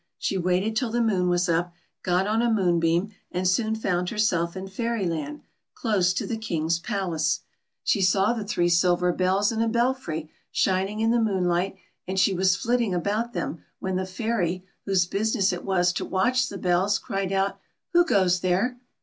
She waited till the moon was up, got on a moonbeam, and soon found herself in Fair\ land, close to the King's palace. She 202 BA TTY. saw the three silver bells in a belfry, shining in the moonlight, and she was flitting about them, when the fairy, whose business it was to watch the bells, cried out :" Who goes there